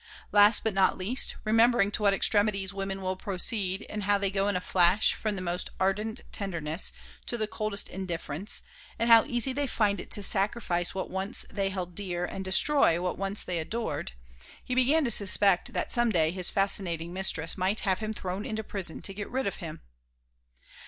Last but not least, remembering to what extremities women will proceed and how they go in a flash from the most ardent tenderness to the coldest indifference, and how easy they find it to sacrifice what once they held dear and destroy what once they adored, he began to suspect that some day his fascinating mistress might have him thrown into prison to get rid of him.